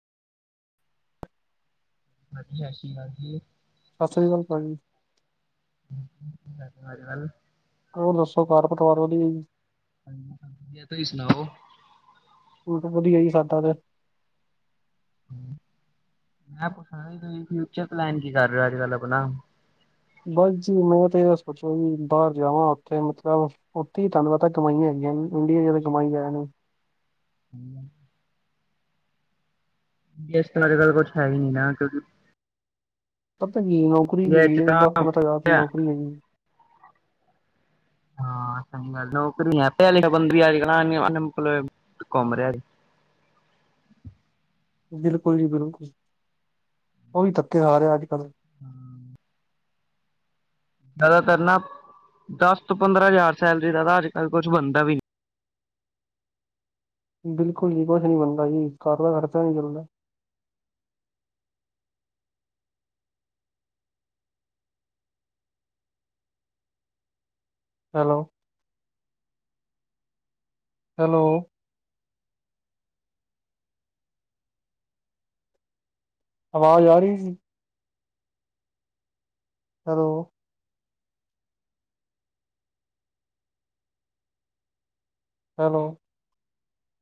ਹਾਂਜੀ ਸਾਸਰੀ ਕਾਲ ਜੀ। ਸਾਸਰੀ ਕਾਲ ਪਾਜੀ। ਅੱਜਕਲ ਹੋਰ ਦੱਸੋ ਕਰ ਪਰਿਵਾਰ ਵਧੀਆ ਜੀ। ਵਧੀਆ, ਤੁਸੀਂ ਸੁਣਾਓ। ਹੋਰ ਤਾਂ ਵਧੀਆ ਜੀ [unintelligible] ਮੈਂ ਪੁੱਛਣਾ ਸੀ ਤੁਸੀਂ ਫਿਊਚਰ ਪਲੈਨ ਕੀ ਕਰ ਰਹੇ ਹੋ ਅੱਜਕਲ ਆਪਣਾ? ਬਸ ਜੀ ਮੈਂ ਤੇ ਇਹ ਸੋਚੋ ਵੀ ਬਾਹਰ ਜਾਵਾਂ ਉੱਥੇ ਮਤਲਬ ਉੱਥੇ ਹੀ ਤੁਹਨੂੰ ਪਤਾ ਕਮਾਈਆਂ ਹੈਗੀਆਂ ਇੰਡੀਆ 'ਚ ਤਾਂ ਕਮਾਈ ਹੈ ਨੀ। [inaudible] ਇਸ ਤਰ੍ਹਾਂ ਅੱਜਕਲ ਕੁਛ ਹੈ ਹੀ ਨੀ ਨਾ ਕਿਉਂਕਿ ਪਤਾ ਕੀ ਨੌਕਰੀ ਇੰਡੀਆ ਹੈਗੀ 'ਚ ਤਾਂ ਦਸ ਹਾਂ, ਪੰਦਰਾਂ ਹਜ਼ਾਰ ਦੀ ਨੌਕਰੀ ਹੈਗੀ। ਹਾਂ ਸਹੀ ਗੱਲ ਨੌਕਰੀ ਨਹੀਂ ਆ [unintelligible] ਅਨਇੰਮਪਲਾਈ ਘੁੰਮ ਰਿਹਾ। ਬਿਲਕੁਲ ਜੀ ਬਿਲਕੁਲ, ਉਹ ਵੀ ਥੱਕਿਆ ਆ ਰਿਹਾ ਅੱਜਕੱਲ। ਹੂੰ ਜ਼ਿਆਦਾਤਰ ਨਾ, ਦਸ ਤੋਂ ਪੰਦਰਾਂ ਹਜ਼ਾਰ ਸੈਲਰੀ ਦਾ ਤਾਂ ਅੱਜਕਲ ਕੁਛ ਬਣਦਾ ਵੀ ਨੀ। ਬਿਲਕੁਲ ਜੀ ਕੁਛ ਨੀ ਬਣਦਾ ਜੀ, ਘਰ ਦਾ ਖਰਚਾ ਨੀ ਚੱਲਦਾ। ਹੈਲੋ ਹੈਲੋ ਆਵਾਜ਼ ਆ ਰਹੀ ਸੀ। Hello hello.